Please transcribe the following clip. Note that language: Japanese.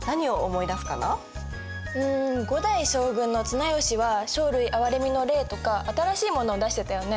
うん５代将軍の綱吉は生類憐みの令とか新しいものを出してたよね。